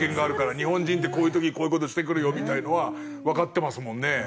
日本人ってこういう時にこういう事してくるよみたいなのはわかってますもんね。